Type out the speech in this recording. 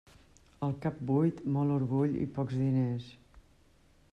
En cap buit, molt orgull i pocs diners.